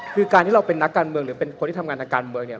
คือการที่เราเป็นนักการเมืองหรือเป็นคนที่ทำงานทางการเมืองเนี่ย